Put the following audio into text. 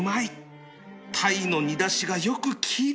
タイの煮だしがよく効いている